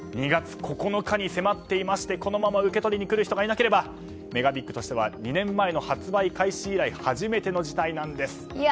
２月９日に迫っていましてこのまま受け取りに来る人がいなければＭＥＧＡＢＩＧとしては２年前の発売開始以来初めての事態なんです。